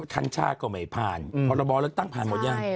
ทั้งชาติก็ไม่ผ่านอืมโพรบรแล้วตั้งผ่านหมดแล้ว